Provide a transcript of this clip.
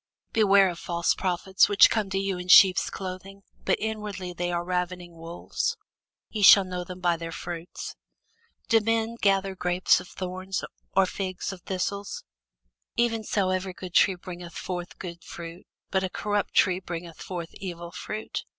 Beware of false prophets, which come to you in sheep's clothing, but inwardly they are ravening wolves. Ye shall know them by their fruits. Do men gather grapes of thorns, or figs of thistles? Even so every good tree bringeth forth good fruit; but a corrupt tree bringeth forth evil fruit.